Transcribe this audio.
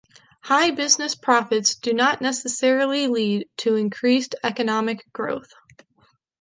High business profits do not necessarily lead to increased economic growth.